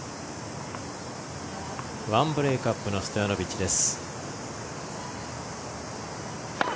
１ブレークアップのストヤノビッチです。